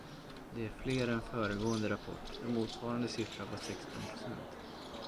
Det är fler än föregående rapport, då motsvarande siffra var sexton procent.